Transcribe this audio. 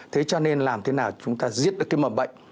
thế cho nên làm thế nào chúng ta giết được cái mầm bệnh